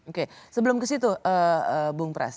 oke sebelum ke situ bung pras